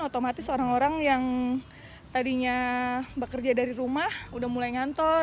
otomatis orang orang yang tadinya bekerja dari rumah udah mulai ngantor